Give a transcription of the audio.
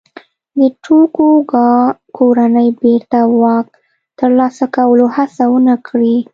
د توکوګاوا کورنۍ بېرته واک ترلاسه کولو هڅه ونه کړي.